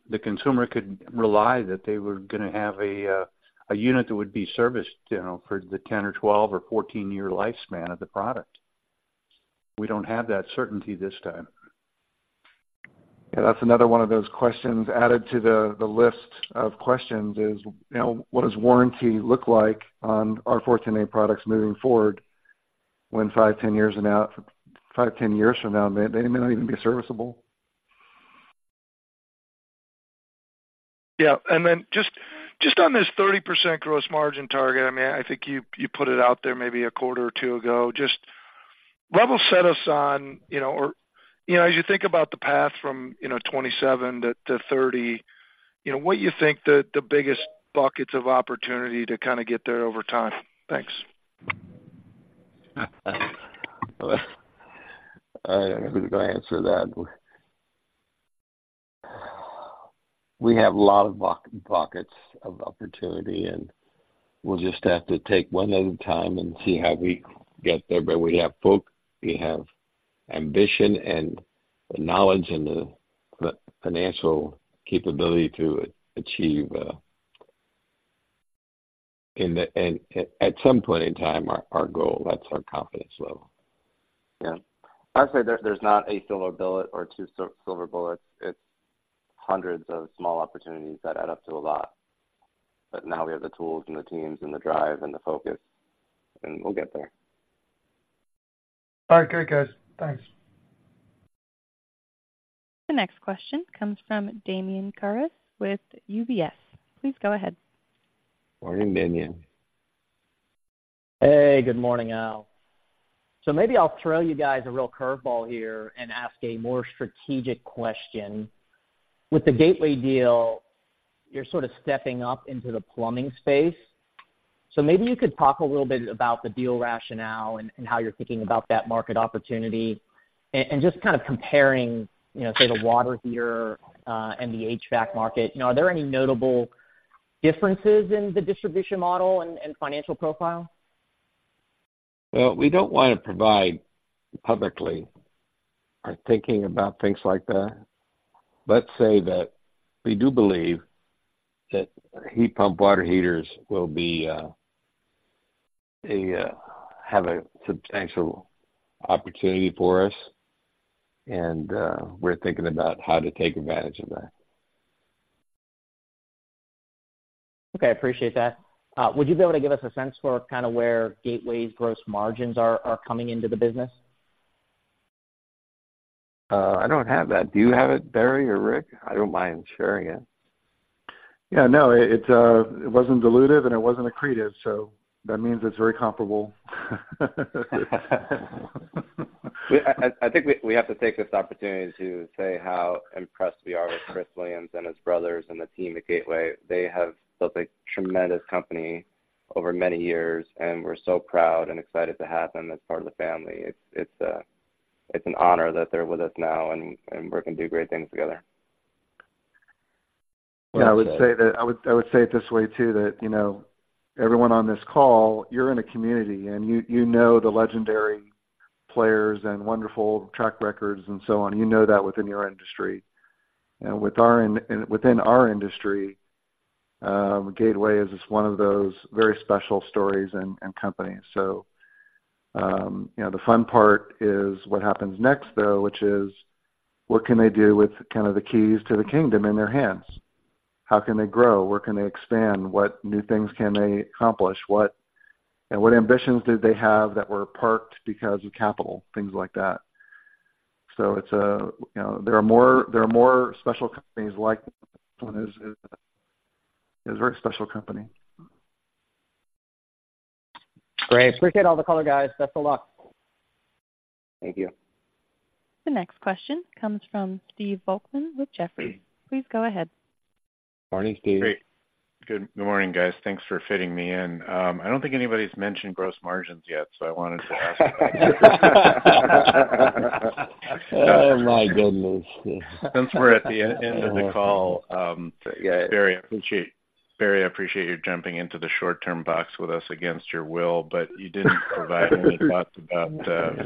the consumer could rely that they were gonna have a unit that would be serviced, you know, for the 10- or 12- or 14-year lifespan of the product. We don't have that certainty this time. Yeah, that's another one of those questions added to the list of questions, you know, what does warranty look like on our R-410A products moving forward when five to 10 years out, five to 10 years from now, they may not even be serviceable? Yeah, and then just on this 30% gross margin target, I mean, I think you put it out there maybe a quarter or two ago. Just level set us on, you know, or, you know, as you think about the path from, you know, 2027 to 2030, you know, what you think the biggest buckets of opportunity to kind of get there over time? Thanks. I'm gonna answer that. We have a lot of buckets of opportunity, and we'll just have to take one at a time and see how we get there. But we have folk, we have ambition and the knowledge and the financial capability to achieve, and at some point in time, our goal. That's our confidence level. Yeah. I'd say there's not a silver bullet or two silver bullets. It's hundreds of small opportunities that add up to a lot. But now we have the tools and the teams and the drive and the focus, and we'll get there. All right. Great, guys. Thanks. The next question comes from Damian Karas with UBS. Please go ahead. Morning, Damian. Hey, good morning, Al. So maybe I'll throw you guys a real curveball here and ask a more strategic question. With the Gateway deal, you're sort of stepping up into the plumbing space. So maybe you could talk a little bit about the deal rationale and, and how you're thinking about that market opportunity. And just kind of comparing, you know, say, the water heater, and the HVAC market. You know, are there any notable differences in the distribution model and, and financial profile? Well, we don't want to provide publicly our thinking about things like that. Let's say that we do believe that heat pump water heaters will be a, have a substantial opportunity for us, and, we're thinking about how to take advantage of that. Okay, I appreciate that. Would you be able to give us a sense for kind of where Gateway's gross margins are coming into the business? I don't have that. Do you have it, Barry or Rick? I don't mind sharing it. Yeah, no, it, it wasn't dilutive, and it wasn't accretive, so that means it's very comparable. I think we have to take this opportunity to say how impressed we are with Chris Williams and his brothers and the team at Gateway. They have built a tremendous company over many years, and we're so proud and excited to have them as part of the family. It's an honor that they're with us now, and we're going to do great things together. Yeah, I would say that. I would, I would say it this way, too, that, you know, everyone on this call, you're in a community, and you, you know the legendary players and wonderful track records and so on. You know that within your industry. And with our, within our industry, Gateway is just one of those very special stories and, and companies. So, you know, the fun part is what happens next, though, which is: What can they do with kind of the keys to the kingdom in their hands? How can they grow? Where can they expand? What new things can they accomplish? What, and what ambitions did they have that were parked because of capital? Things like that. So it's a, you know, there are more, there are more special companies like this one. It's a very special company. Great. Appreciate all the color, guys. Best of luck. Thank you. The next question comes from Steve Volkmann with Jefferies. Please go ahead. Morning, Steve. Good morning, guys. Thanks for fitting me in. I don't think anybody's mentioned gross margins yet, so I wanted to ask about that. Oh, my goodness! Since we're at the end of the call, Barry, I appreciate you jumping into the short-term box with us against your will, but you didn't provide any thoughts about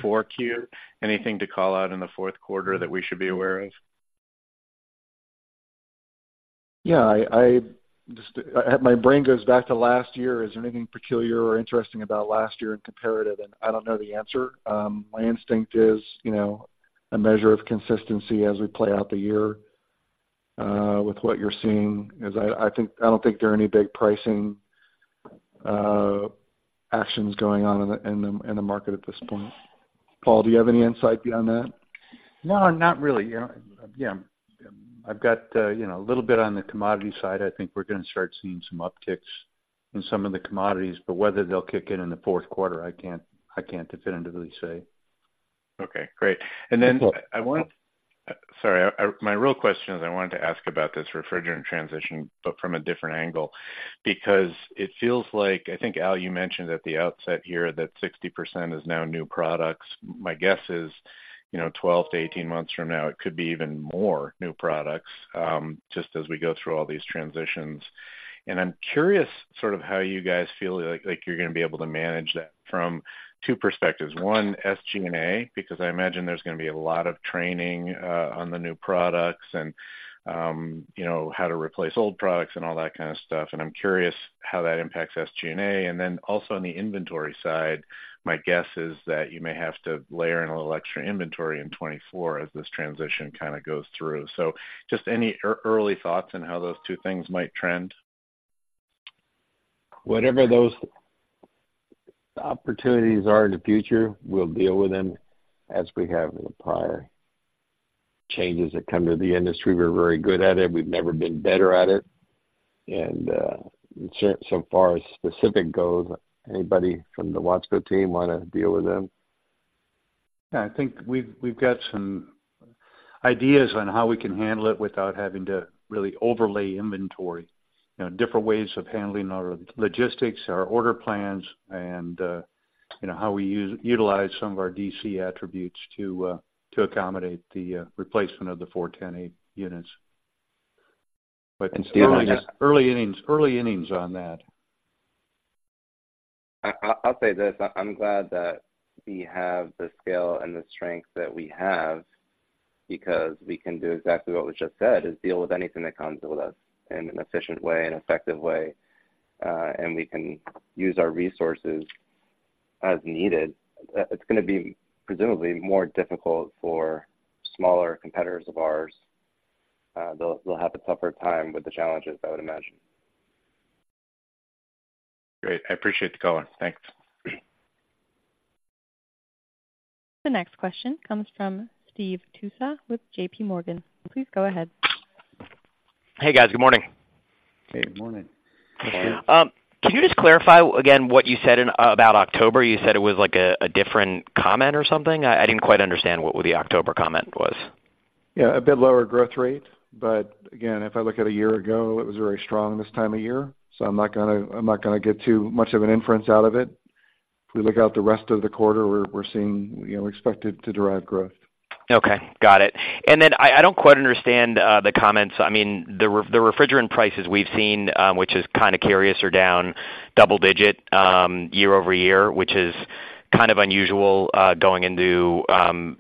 4Q. Anything to call out in the fourth quarter that we should be aware of? Yeah, I just, my brain goes back to last year. Is there anything peculiar or interesting about last year in comparative? I don't know the answer. My instinct is, you know, a measure of consistency as we play out the year, with what you're seeing is I think, I don't think there are any big pricing actions going on in the market at this point. Paul, do you have any insight on that? No, not really. Yeah, yeah. I've got, you know, a little bit on the commodity side. I think we're going to start seeing some upticks in some of the commodities, but whether they'll kick in in the fourth quarter, I can't definitively say. Okay, great. And then I want, sorry, I, my real question is, I wanted to ask about this refrigerant transition, but from a different angle, because it feels like, I think, Al, you mentioned at the outset here that 60% is now new products. My guess is, you know, 12-18 months from now, it could be even more new products, just as we go through all these transitions. And I'm curious sort of how you guys feel like, like you're going to be able to manage that from two perspectives. One, SG&A, because I imagine there's going to be a lot of training, on the new products and, you know, how to replace old products and all that kind of stuff, and I'm curious how that impacts SG&A. And then also on the inventory side, my guess is that you may have to layer in a little extra inventory in 2024 as this transition kind of goes through. So just any early thoughts on how those two things might trend? Whatever those opportunities are in the future, we'll deal with them as we have in the prior changes that come to the industry. We're very good at it. We've never been better at it. So far as specifics go, anybody from the Watsco team wanna deal with them? Yeah, I think we've got some ideas on how we can handle it without having to really overlay inventory. You know, different ways of handling our logistics, our order plans, and, you know, how we utilize some of our DC attributes to accommodate the replacement of the 410A units. But early innings on that. I'll say this: I'm glad that we have the scale and the strength that we have, because we can do exactly what was just said, is deal with anything that comes with us in an efficient way and effective way, and we can use our resources as needed. It's gonna be presumably more difficult for smaller competitors of ours. They'll have a tougher time with the challenges, I would imagine. Great. I appreciate the color. Thanks. The next question comes from Steve Tusa with JPMorgan. Please go ahead. Hey, guys. Good morning. Hey, good morning. Hey. Can you just clarify again what you said in, about October? You said it was like a different comment or something. I didn't quite understand what the October comment was. Yeah, a bit lower growth rate, but again, if I look at a year ago, it was very strong this time of year, so I'm not gonna, I'm not gonna get too much of an inference out of it. If we look out the rest of the quarter, we're, we're seeing, you know, expected to derive growth. Okay, got it. Then I don't quite understand the comments. I mean, the refrigerant prices we've seen, which is kind of curious, are down double-digit year-over-year, which is kind of unusual going into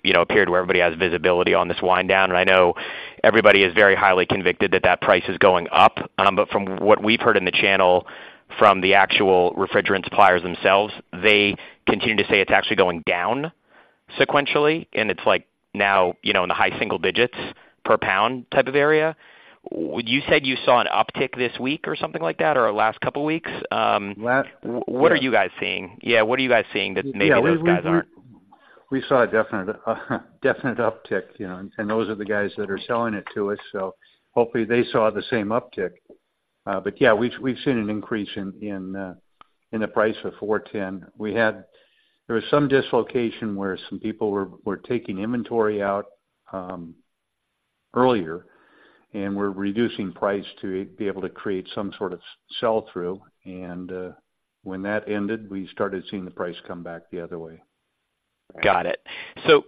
you know a period where everybody has visibility on this wind-down. And I know everybody is very highly convinced that that price is going up. But from what we've heard in the channel, from the actual refrigerant suppliers themselves, they continue to say it's actually going down sequentially, and it's like now, you know, in the high single digits per pound type of area. Would you said you saw an uptick this week or something like that, or last couple weeks? Last. What are you guys seeing? Yeah, what are you guys seeing that maybe those guys aren't? We saw a definite, definite uptick, you know, and those are the guys that are selling it to us, so hopefully, they saw the same uptick. But yeah, we've seen an increase in the price of 410. We had. There was some dislocation where some people were taking inventory out earlier and were reducing price to be able to create some sort of sell-through, and when that ended, we started seeing the price come back the other way. Got it. So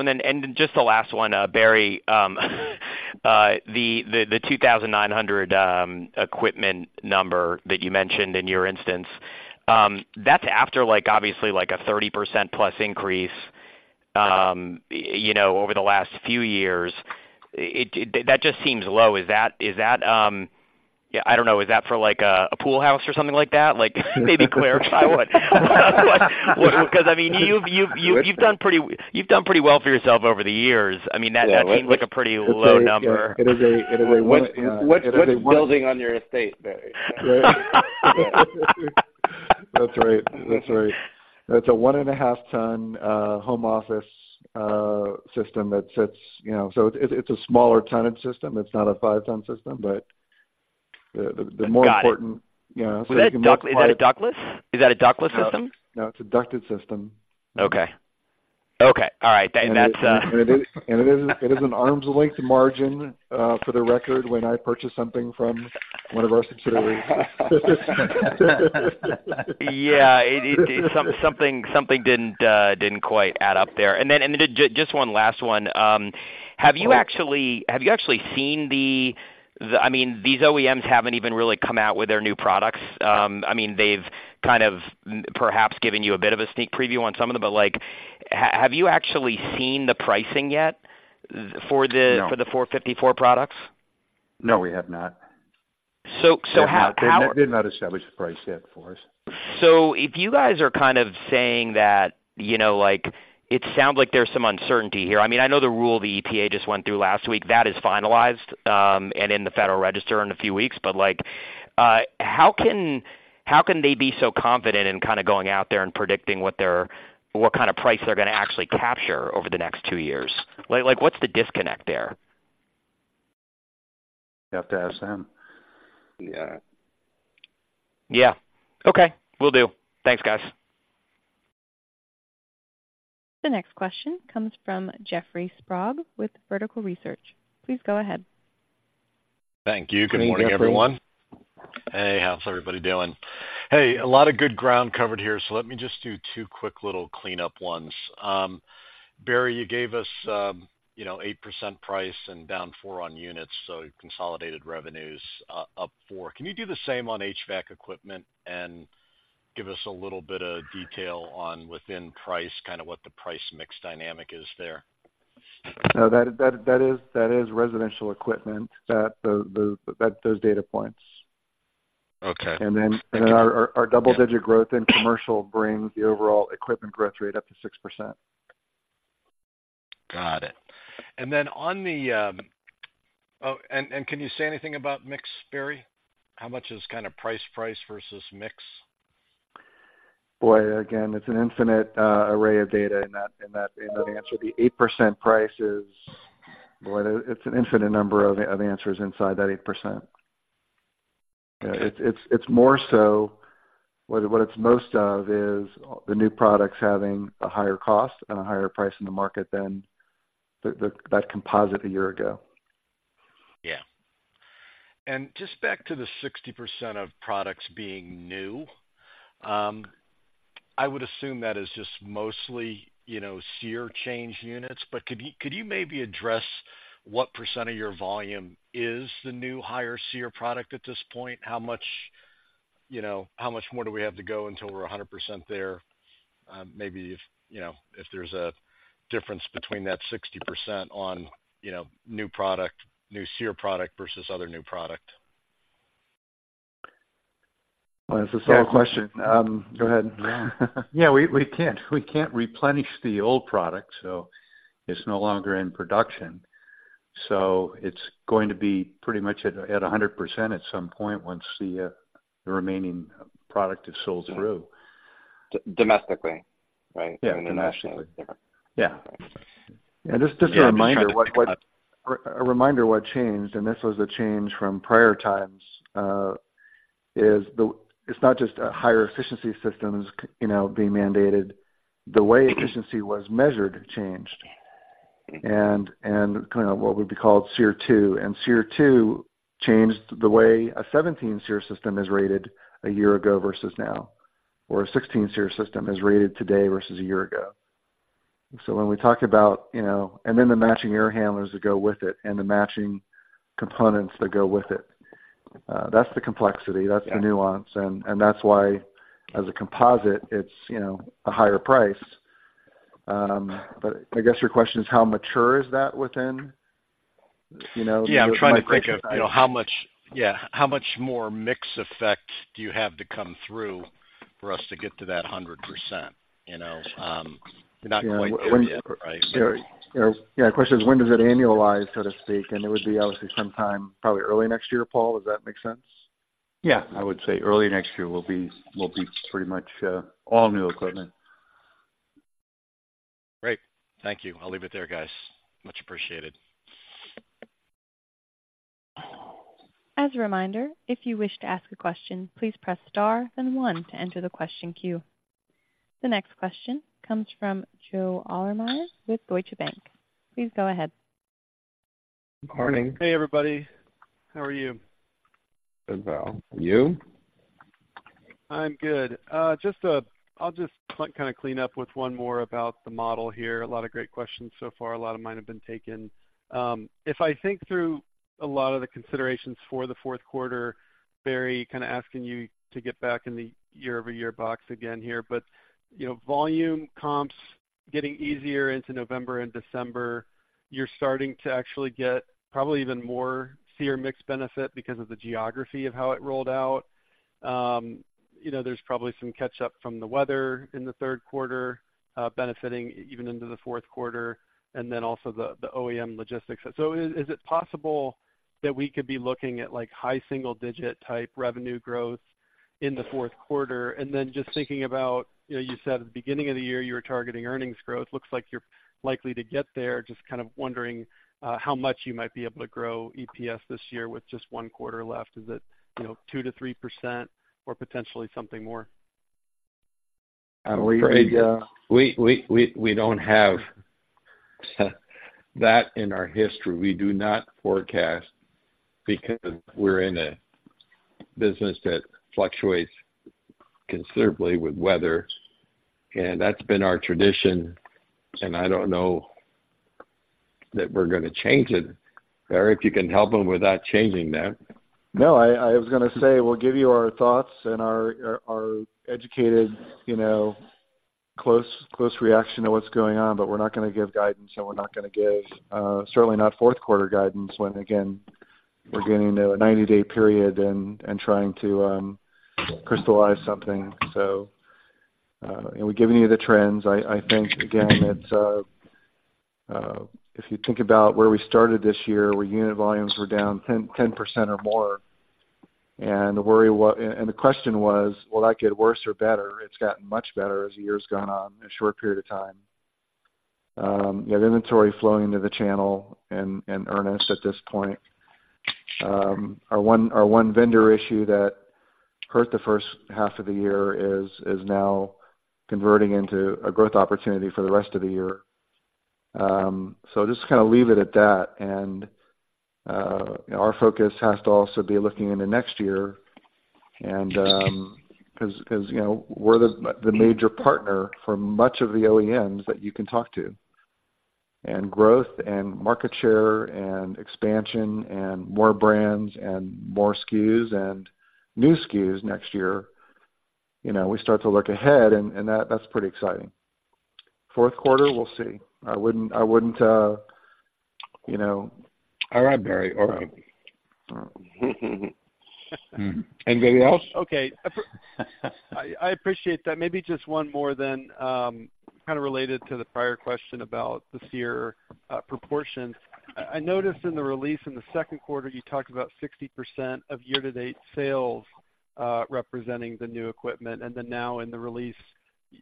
and then just the last one, Barry, the $2,900 equipment number that you mentioned in your instance, that's after like, obviously, like a 30%+ increase, you know, over the last few years. It, that just seems low. Is that, yeah, I don't know, is that for like a pool house or something like that? Like, maybe clarify what, because, I mean, you've done pretty well for yourself over the years. I mean, that seems like a pretty low number. It is a one. What, what building on your estate, Barry? Right. That's right. That's right. It's a 1.5-ton home office system that sits, you know, so it, it's a smaller tonnage system. It's not a 5-ton system, but the more important. Got it. Yeah. Is that a ductless? Is that a ductless system? No, it's a ducted system. Okay. Okay, all right. And that's. It is, it is an arm's length margin, for the record, when I purchase something from one of our subsidiaries. Yeah, it, something didn't quite add up there. And then just one last one. Have you actually seen the, I mean, these OEMs haven't even really come out with their new products. I mean, they've kind of perhaps given you a bit of a sneak preview on some of them, but like, have you actually seen the pricing yet for the. No. For the 454 products? No, we have not. So, how. They've not established the price yet for us. So if you guys are kind of saying that, you know, like, it sounds like there's some uncertainty here. I mean, I know the rule the EPA just went through last week, that is finalized, and in the Federal Register in a few weeks. But like, how can, how can they be so confident in kind of going out there and predicting what they're, what kind of price they're gonna actually capture over the next two years? Like, what's the disconnect there? You have to ask them. Yeah. Yeah. Okay, will do. Thanks, guys. The next question comes from Jeffrey Sprague, with Vertical Research. Please go ahead. Thank you. Good morning, Jeffrey. Good morning, everyone. Hey, how's everybody doing? Hey, a lot of good ground covered here, so let me just do two quick little cleanup ones. Barry, you gave us, you know, 8% price and down 4% on units, so consolidated revenues up 4%. Can you do the same on HVAC equipment and give us a little bit of detail on, within price, kind of what the price mix dynamic is there? No, that is residential equipment, those data points. Okay. Then our double digit growth in commercial brings the overall equipment growth rate up to 6%. Got it. And then on the, can you say anything on the mix, Barry? How much is kind of price, price versus mix? Boy, again, it's an infinite array of data in that answer. The 8% price is, boy, it's an infinite number of answers inside that 8%. It's more so—what it's most of is the new products having a higher cost and a higher price in the market than that composite a year ago. Yeah. And just back to the 60% of products being new. I would assume that is just mostly, you know, SEER change units. But could you, could you maybe address what percent of your volume is the new higher SEER product at this point? How much, you know, how much more do we have to go until we're 100% there? Maybe if, you know, if there's a difference between that 60% on, you know, new product, new SEER product versus other new product. Well, that's a solid question. Go ahead. Yeah, we can't replenish the old product, so it's no longer in production. So it's going to be pretty much at 100% at some point once the remaining product is sold through. Domestically, right? Yeah, domestically. Yeah. Just a reminder what changed, and this was a change from prior times, is the. It's not just a higher efficiency systems, you know, being mandated. The way efficiency was measured changed and kind of what would be called SEER2. And SEER2 changed the way a 17 SEER system is rated a year ago versus now, or a 16 SEER system is rated today versus a year ago. So when we talk about, you know, and then the matching air handlers that go with it and the matching components that go with it, that's the complexity. Yeah. That's the nuance, and that's why, as a composite, it's, you know, a higher price. But I guess your question is how mature is that within, you know, my. Yeah, I'm trying to think of, you know, how much, yeah, how much more mix effect do you have to come through for us to get to that 100%? You know, you're not quite there yet, right? Yeah. Yeah, the question is when does it annualize, so to speak? It would be obviously sometime probably early next year. Paul, does that make sense? Yeah, I would say early next year will be, will be pretty much all new equipment. Great. Thank you. I'll leave it there, guys. Much appreciated. As a reminder, if you wish to ask a question, please press star then one to enter the question queue. The next question comes from Joe Ahlersmeyer with Deutsche Bank. Please go ahead. Morning. Hey, everybody. How are you? Good, and you? I'm good. Just, I'll just like, kind of clean up with one more about the model here. A lot of great questions so far. A lot of mine have been taken. If I think through a lot of the considerations for the fourth quarter, Barry, kind of asking you to get back in the year-over-year box again here. But, you know, volume comps getting easier into November and December, you're starting to actually get probably even more SEER mix benefit because of the geography of how it rolled out. You know, there's probably some catch up from the weather in the third quarter, benefiting even into the fourth quarter, and then also the OEM logistics. So is it possible that we could be looking at, like, high single digit type revenue growth in the fourth quarter? Then just thinking about, you know, you said at the beginning of the year, you were targeting earnings growth. Looks like you're likely to get there. Just kind of wondering how much you might be able to grow EPS this year with just one quarter left. Is it, you know, 2%-3% or potentially something more? We don't have that in our history. We do not forecast because we're in a business that fluctuates considerably with weather, and that's been our tradition, and I don't know that we're gonna change it. Barry, if you can help him with that, changing that. No, I was gonna say, we'll give you our thoughts and our educated, you know, close reaction to what's going on, but we're not gonna give guidance, and we're not gonna give, certainly not fourth quarter guidance, when, again, we're getting to a 90-day period and trying to crystallize something. So, and we've given you the trends. I think, again, it's, if you think about where we started this year, where unit volumes were down 10% or more, and the worry and the question was, will that get worse or better? It's gotten much better as the year's gone on in a short period of time. You have inventory flowing into the channel in earnest at this point. Our one vendor issue that hurt the first half of the year is now converting into a growth opportunity for the rest of the year. So just kind of leave it at that. And our focus has to also be looking into next year and 'cause you know we're the major partner for much of the OEMs that you can talk to. And growth and market share and expansion and more brands and more SKUs and new SKUs next year you know we start to look ahead and that that's pretty exciting. Fourth quarter we'll see. I wouldn't you know. All right, Barry. Okay. Anybody else? Okay. I appreciate that. Maybe just one more then, kind of related to the prior question about the SEER proportions. I noticed in the release in the second quarter, you talked about 60% of year-to-date sales representing the new equipment, and then now in the release,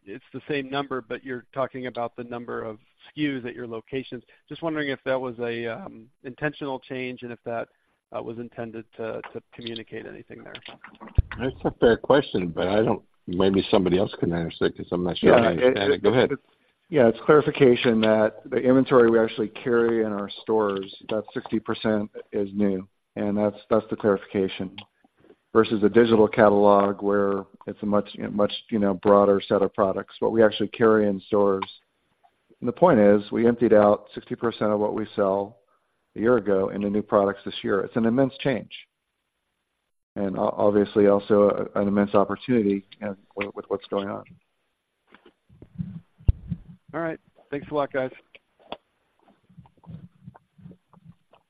it's the same number, but you're talking about the number of SKUs at your locations. Just wondering if that was a intentional change and if that was intended to communicate anything there. That's a fair question, but I don't, maybe somebody else can answer it, 'cause I'm not sure I understand it. Go ahead. Yeah, it's clarification that the inventory we actually carry in our stores, about 60% is new, and that's, that's the clarification. Versus a digital catalog, where it's a much, much, you know, broader set of products, what we actually carry in stores. And the point is, we emptied out 60% of what we sell a year ago into new products this year. It's an immense change and obviously also an immense opportunity and with, with what's going on. All right. Thanks a lot, guys.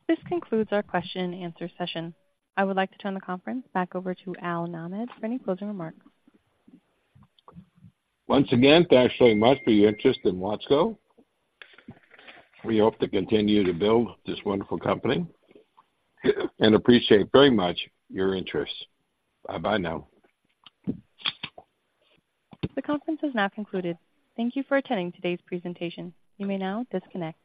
This concludes our question and answer session. I would like to turn the conference back over to Al Nahmad for any closing remarks. Once again, thanks so much for your interest in Watsco. We hope to continue to build this wonderful company and appreciate very much your interest. Bye-bye now. The conference is now concluded. Thank you for attending today's presentation. You may now disconnect.